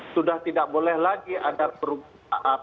sudah tidak boleh lagi ada perubahan